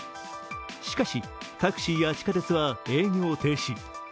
しかし、タクシーや地下鉄は営業停止。